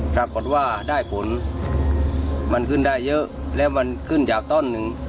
ปรากฏว่าได้ผลมันขึ้นได้เยอะแล้วมันขึ้นจากต้นหนึ่ง